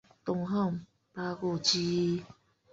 东汉八顾之一。